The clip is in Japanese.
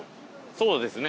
そうですね。